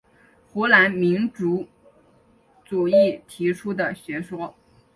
湖南民族主义提出的学说。